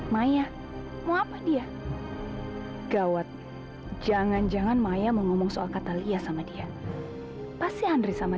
maya mau apa dia gawat jangan jangan maya mau ngomong soal katalia sama dia pasti andri sama